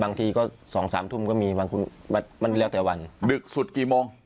บางทีก็สองสามทุ่มก็มีบางคุณมันมันเรียกแต่วันดึกสุดกี่โมง